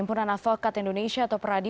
perhubungan afakat indonesia atau peradi